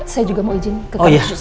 saya juga mau izin ke kamar susu saya